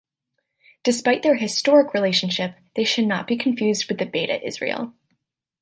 Despite their historic relationship, they should not be confused with the Beta Israel.